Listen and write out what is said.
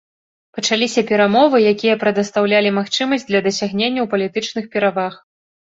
Пачаліся перамовы, якія прадастаўлялі магчымасць для дасягненняў палітычных пераваг.